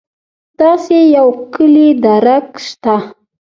داسې یو کُلي درک شته.